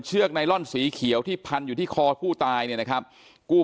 ไนลอนสีเขียวที่พันอยู่ที่คอผู้ตายเนี่ยนะครับกู้